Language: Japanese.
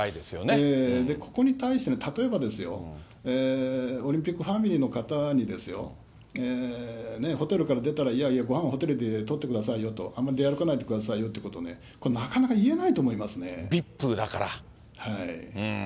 ここに対して、例えばですよ、オリンピックファミリーの方にですよ、ホテルから出たら、いやいや、ごはんはホテルでとってくださいよと、あんまり出歩かないでくださいよということをこれ、なかなか言えＶＩＰだから。